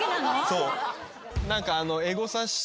そう。